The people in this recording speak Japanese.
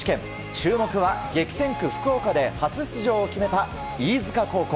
注目は激戦区・福岡で初出場を決めた飯塚高校。